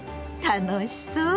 楽しそう。